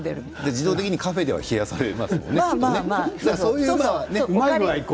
自動的にカフェでは冷やされますよね。